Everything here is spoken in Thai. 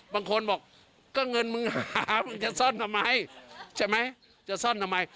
บางคนบอกก็เงินมึงหามึงจะซ่อนทำไมใช่ไหมจะซ่อนทำไม